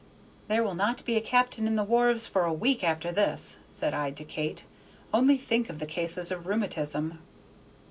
"There will not be a cap'n on the wharves for a week after this," said I to Kate; "only think of the cases of rheumatism!"